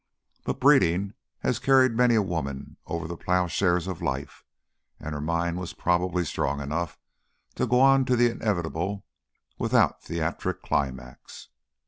But breeding has carried many a woman over the ploughshares of life, and her mind was probably strong enough to go on to the inevitable without theatric climax.